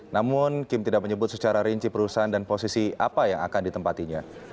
namun kim tidak menyebut secara rinci perusahaan dan posisi apa yang akan ditempatinya